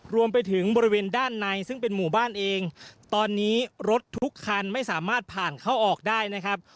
รวมไปถึงบริเวณด้านในซึ่งเป็นหมู่บ้านเองตอนนี้รถทุกคันไม่สามารถผ่านเข้าออกได้นะครับ